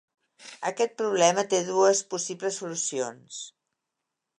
Aquest problema té dues possibles solucions.